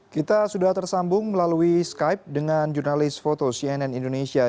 kita sudah tersambung melalui skype dengan jurnalis foto cnn indonesia